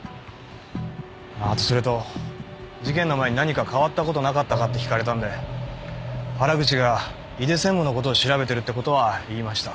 あとそれと事件の前に何か変わった事なかったかって聞かれたんで原口が井出専務の事を調べてるって事は言いました。